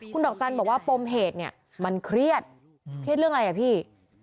คุณดอกจันทร์บอกว่าปมเหตุเนี่ยมันเครียดเครียดเรื่องอะไรอ่ะพี่